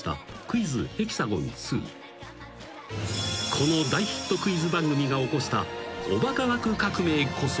［この大ヒットクイズ番組が起こしたおバカ枠革命こそ］